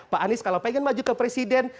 pak anies kalau pengen maju ke presiden